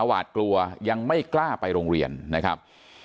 หวาดกลัวยังไม่กล้าไปโรงเรียนนะครับ